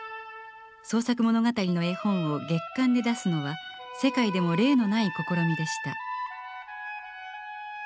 創作物語の絵本を月刊で出すのは世界でも例のない試みでした。